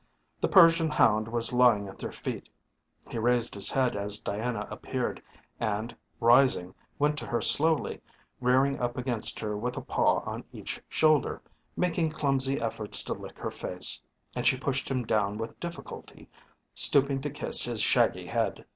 The Persian hound was lying at their feet. He raised his head as Diana appeared, and, rising, went to her slowly, rearing up against her with a paw on each shoulder, making clumsy efforts to lick her face, and she pushed him down with difficulty, stooping to kiss his shaggy head.